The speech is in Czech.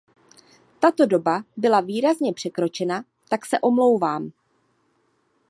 Tato doba byla výrazně překročena, tak se omlouvám.